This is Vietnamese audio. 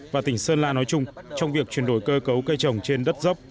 và tỉnh sơn la nói chung trong việc chuyển đổi cơ cấu cây trồng trên đất dốc